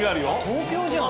東京じゃん。